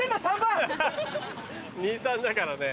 ２ー３だからね。